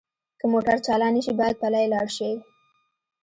که موټر چالان نه شي باید پلی لاړ شئ